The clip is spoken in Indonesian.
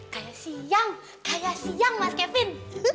kayak siang kayak siang mas kevin